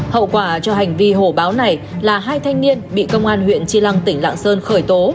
hậu quả cho hành vi hổ báo này là hai thanh niên bị công an huyện tri lăng tỉnh lạng sơn khởi tố